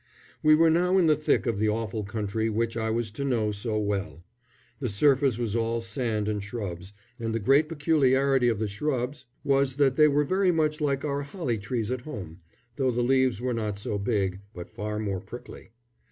We were now in the thick of the awful country which I was to know so well. The surface was all sand and shrubs, and the great peculiarity of the shrubs was that they were very much like our holly trees at home, though the leaves were not so big, but far more prickly.